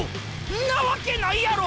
んなわけないやろ！